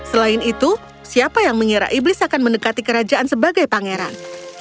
selain itu siapa yang mengira iblis akan mendekati kerajaan sebagai pangeran